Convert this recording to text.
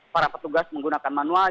para petugas menggunakan manual